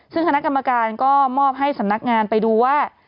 ซึ่งคณะกรรมการก็มอบให้สำนักงานไปดูว่า